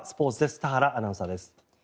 田原アナウンサーです。